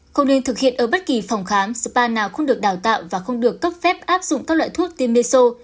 không nên thực hiện ở bất kỳ phòng khám spa nào không được đào tạo và không được cấp phép áp dụng các loại thuốc timeso